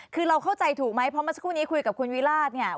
คือเราเข้าใจถูกไหมเพราะเมื่อสักครู่นี้คุยกับคุณวิราชเนี่ย